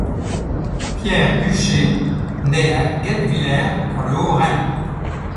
Pierre Bucher naît à Guebwiller dans le Haut-Rhin.